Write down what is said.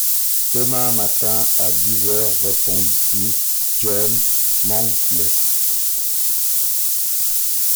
Demain matin, à dix heures, répondit John Mangles.